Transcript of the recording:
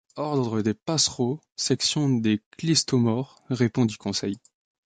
Ordre des passereaux, section des clystomores, répondit Conseil.